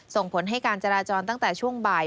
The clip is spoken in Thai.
ส่งผลให้การจราจรตั้งแต่ช่วงบ่าย